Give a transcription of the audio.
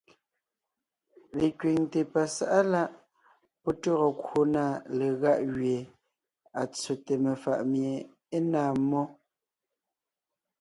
Lekẅiŋte pasáʼa láʼ pɔ́ tÿɔgɔ kwò na legáʼ gẅie à tsóte mefàʼ mie é náa mmó,